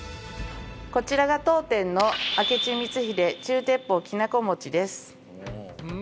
こちらが当店の明智光秀中鉄砲きなこ餅です。